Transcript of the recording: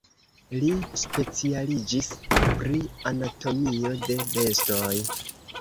Li specialiĝis pri anatomio de bestoj.